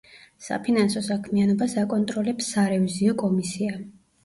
საფინანსო საქმიანობას აკონტროლებს სარევიზიო კომისია.